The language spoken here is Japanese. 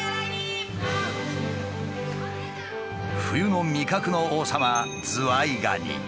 冬の味覚の王様ズワイガニ。